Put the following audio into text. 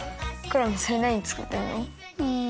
クラムそれなにつくってんの？